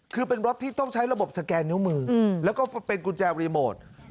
คือเป็นรถที่ต้องใช้ระบบสแกนนิ้วมือแล้วก็เป็นกุญแจรีโมท